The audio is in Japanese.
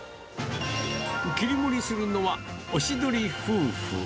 切り盛りするのは、おしどり夫婦。